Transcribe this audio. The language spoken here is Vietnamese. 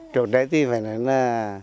trước đây thì phải nói là